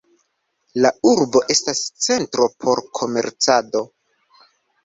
La urbo estas centro por komercado.